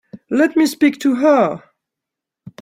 Let me speak to her.